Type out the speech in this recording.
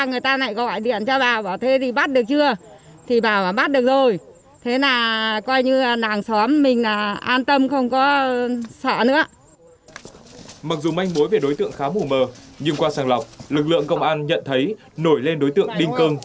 mặc dù manh mối về đối tượng khá mù mờ nhưng qua sàng lọc lực lượng công an nhận thấy nổi lên đối tượng đinh cương